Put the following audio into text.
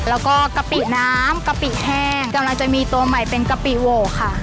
แล้วก็กะปิน้ำกะปิแห้งกำลังจะมีตัวใหม่เป็นกะปิโหวค่ะ